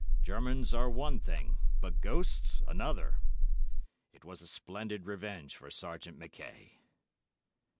Germans are one thing, but ghosts another! It was a splendid revenge for Sergeant Mackay!"